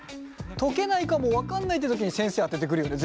解けないかも分かんないってときに先生当ててくるよね